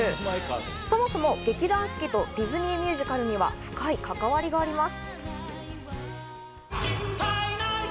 そもそも劇団四季とディズニーミュージカルには深い関わりがあります。